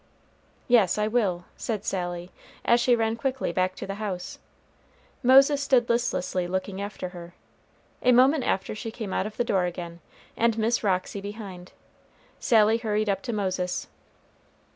"Yes, I will," said Sally, as she ran quickly back to the house. Moses stood listlessly looking after her. A moment after she came out of the door again, and Miss Roxy behind. Sally hurried up to Moses.